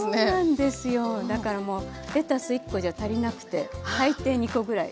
だからもうレタス１コじゃ足りなくて最低２コぐらい。